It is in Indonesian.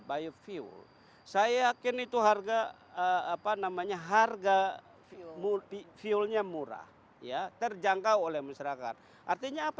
biofuel saya yakin itu harga apa namanya harga multi fuelnya murah ya terjangkau oleh masyarakat artinya apa